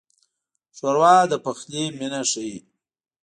ښوروا د پخلي مینه ښيي.